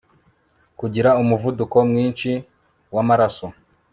kugira umuvuduko mwinshi wamaraso